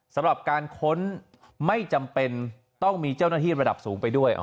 สำหรับการค้นไม่จำเป็นต้องมีเจ้าหน้าที่ระดับสูงไปด้วย